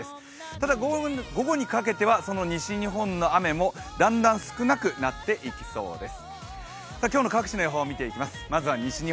ただ午後にかけては、その西日本の雨もだんだん少なくなっていきそうです。